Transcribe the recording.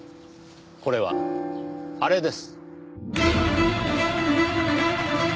これはあれです。